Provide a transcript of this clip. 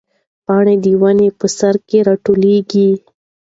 پاڼه د ونې په سر کې راټوکېږي.